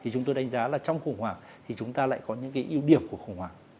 chúng tôi đánh giá là trong khủng hoảng chúng ta lại có những yếu điểm của khủng hoảng